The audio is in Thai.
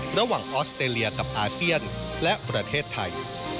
ออสเตรเลียกับอาเซียนและประเทศไทย